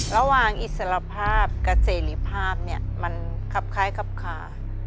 ระหว่างอิสระภาพกับเสรีภาพมันคลับคล้ายคลับคลา